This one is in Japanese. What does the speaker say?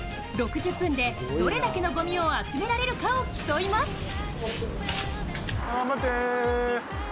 ６０分でどれだけのごみを集められるかを競います。